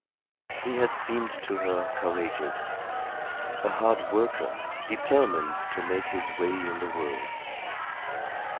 He had seemed to her courageous, a hard worker, determined to make his way in the world.